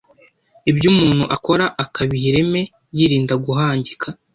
ibyo umuntu akora akabiha ireme yirinda guhangika.